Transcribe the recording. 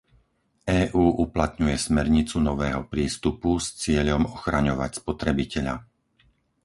EÚ uplatňuje smernicu nového prístupu s cieľom ochraňovať spotrebiteľa.